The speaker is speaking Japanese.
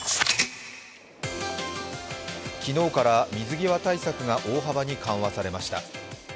昨日から水際対策が大幅に緩和されました。